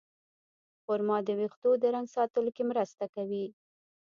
خرما د ویښتو د رنګ ساتلو کې مرسته کوي.